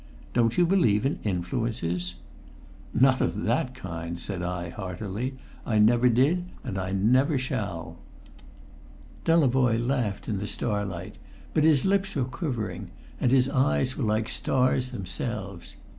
Don't you believe in influences?" "Not of that kind," said I heartily. "I never did, and I doubt I never shall." Delavoye laughed in the starlight, but his lips were quivering, and his eyes were like stars themselves.